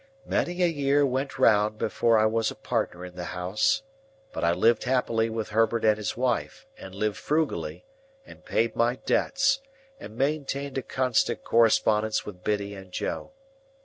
Many a year went round before I was a partner in the House; but I lived happily with Herbert and his wife, and lived frugally, and paid my debts, and maintained a constant correspondence with Biddy and Joe.